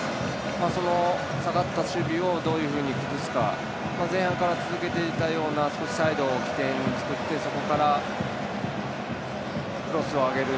その下がった守備をどういうふうに崩すか前半から続けていたような少しサイドを起点に作ってそこからクロスを上げる。